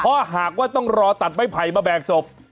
เพราะหากว่าต้องรอตัดไม้ไผ่มาแบกศพ